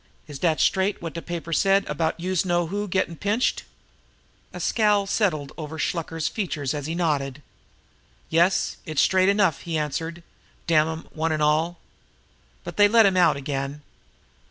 Is dat straight wot de papers said about youse know who gettin' pinched?" A scowl settled over Shluker's features as he nodded. "Yes; it's straight enough," he answered. "Damn 'em, one and all! But they let him out again."